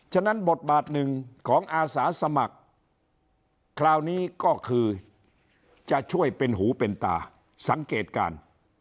ฉะนั้นบทบาทหนึ่งของอาสาสมัครคราวนี้ก็คือจะช่วยเป็นหูเป็นตาสังเกตการ